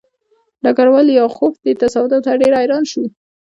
ډګروال لیاخوف دې تصادف ته ډېر حیران شو